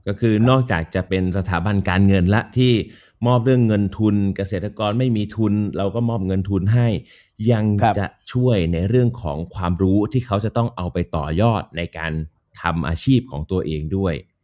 ก็คือนอกจากจะเป็นสถาบันการเงินแล้วที่มอบเรื่องเงินทุนเกษตรกรไม่มีทุนเราก็มอบเงินทุนให้ยังจะช่วยในเรื่องของความรู้ที่เขาจะต้องเอาไปต่อยอดในการทำอาชีพของตัวเองด้วย